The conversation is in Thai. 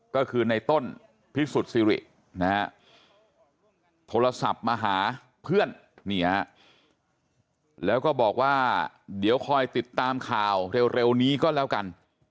ก็คือในต้นพิสุทธิ์สิรินะฮะโทรศัพท์มาหาเพื่อนแล้วก็บอกว่าเดี๋ยวคอยติดตามข่าวเร็วนี้ก็แล้วกัน